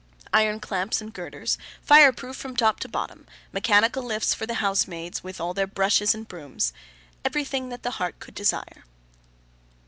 Iron clamps and girders, fire proof from top to bottom; mechanical lifts for the housemaids, with all their brushes and brooms; everything that heart could desire.